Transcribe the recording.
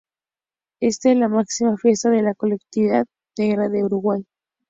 Ésta es la máxima fiesta de la colectividad negra de Uruguay.